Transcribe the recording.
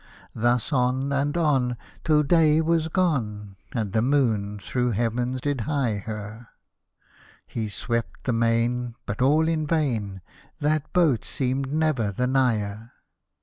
Thus on, and on, Till day was. gone, And the moon through heaven did hie her, He swept the main, But all in vain. That boat seemed never the nigher.